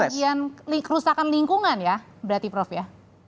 kemarin itu karena kerusakan lingkungan ya berarti prof ya